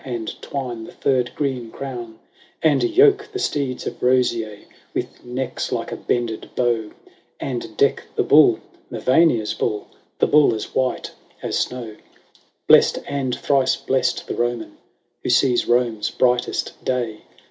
And twine the third green crown ; And yoke the steeds of Rosea With necks like a bended bow ;^ And deck the bull, Mevania's bull, J The bull as white as snow. XXX. " Blest and thrice blest the Roman Who sees Rome's brightest day.